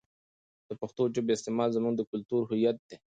د پښتو ژبې استعمال زموږ د کلتور هویت دی.